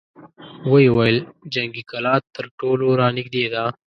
ويې ويل: جنګي کلا تر ټولو را نېږدې ده!